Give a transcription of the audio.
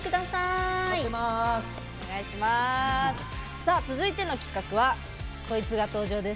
さあ続いての企画はこいつが登場です。